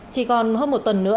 chỉ còn hơn một tuần nữa